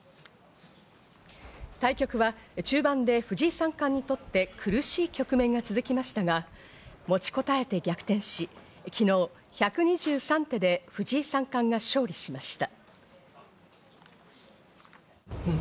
対局は中盤で藤井三冠にとって苦しい局面が続きましたが、持ちこたえて逆転し、昨日、１２３手で藤井三冠が勝利しました。